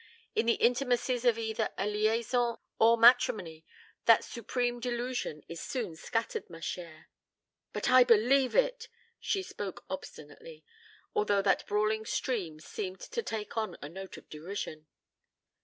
In the intimacies of either a liaison or matrimony that supreme delusion is soon scattered, ma chère." "But I believe it." She spoke obstinately, although that brawling stream seemed to take on a note of derision.